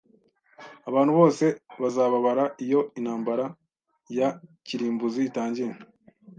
Abantu bose bazababara iyo intambara ya kirimbuzi itangiye